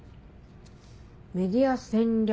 メディア戦略